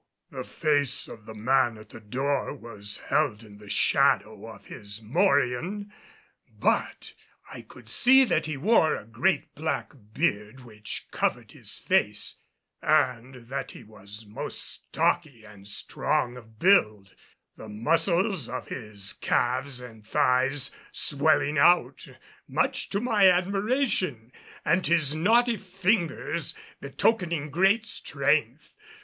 The face of the man at the door was held in the shadow of his morion, but I could see that he wore a great black beard which covered his face and that he was most stocky and strong of build, the muscles of his calves and thighs swelling out, much to my admiration, and his knotty fingers betokening great strength.